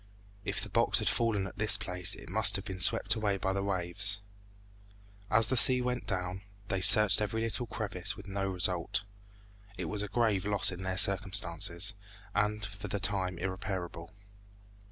If the box had fallen at this place it must have been swept away by the waves. As the sea went down, they searched every little crevice with no result. It was a grave loss in their circumstances, and for the time irreparable.